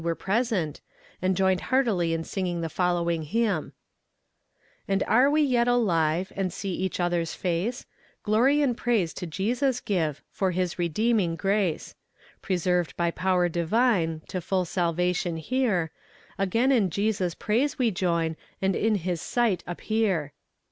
were present, and joined heartily in singing the following hymn: And are we yet alive, And see each other's face? Glory and praise to Jesus give, For His redeeming grace. Preserved by power divine To full salvation here, Again in Jesus' praise we join, And in his sight appear.